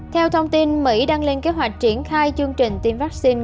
theo thông tin mỹ đang lên kế hoạch triển khai chương trình tiêm vaccine